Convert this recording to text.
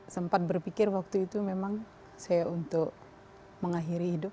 sempat berpikir waktu itu memang saya untuk mengakhiri hidup